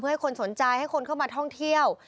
ให้คนสนใจให้คนเข้ามาท่องเที่ยว